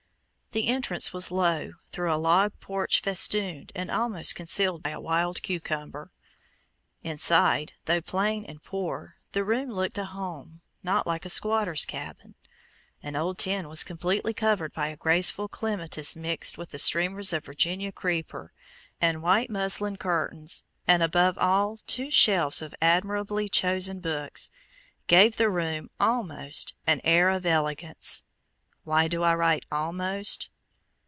The entrance was low, through a log porch festooned and almost concealed by a "wild cucumber." Inside, though plain and poor, the room looked a home, not like a squatter's cabin. An old tin was completely covered by a graceful clematis mixed with streamers of Virginia creeper, and white muslin curtains, and above all two shelves of admirably chosen books, gave the room almost an air of elegance. Why do I write almost?